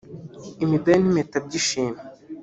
Imidari n’Impeta by’Ishimwe